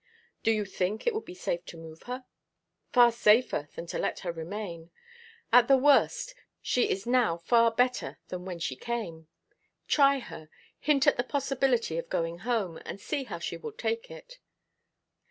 "Do you think it would be safe to move her?" "Far safer than to let her remain. At the worst, she is now far better than when she came. Try her. Hint at the possibility of going home, and see how she will take it."